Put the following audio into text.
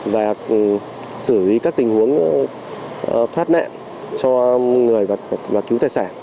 và sử dụng các tình huống thoát nạn cho người và cứu tài sản